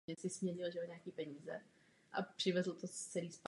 To je otázka, která je nám kladena.